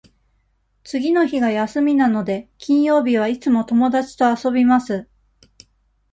次の日が休みなので、金曜日はいつも友達と遊びます。